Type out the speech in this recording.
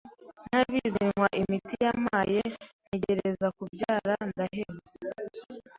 ntabizi nywa imiti yampaye ntegereza kubyara ndaheba